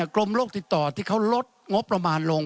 กรมโรคติดต่อที่เขาลดงบประมาณลง